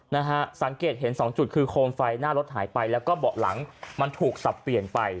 นะฮะสังเกตเห็นสองจุดคือโคมไฟหน้ารถหายไปแล้วก็เบาะหลังมันถูกสับเปลี่ยนไป